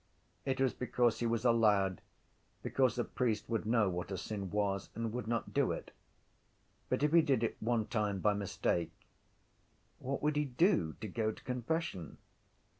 It was because he was allowed because a priest would know what a sin was and would not do it. But if he did it one time by mistake what would he do to go to confession?